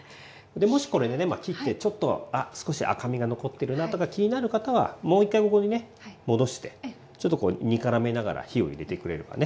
でもしこれでね切ってちょっと赤みが残っているなとか気になる方はもう一回ここにね戻してちょっと煮からめながら火を入れてくれればね